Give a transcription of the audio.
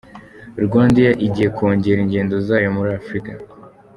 RwandAir igiye kongera ingendo zayo muri Afurika